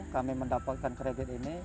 kami mendapatkan kredit ini